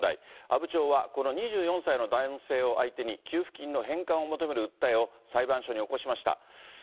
阿武町はこの２４歳の男性を相手に給付金の返還を求める訴えを裁判所に起こしました。